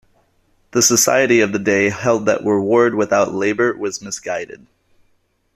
The society of the day held that reward without labour was misguided.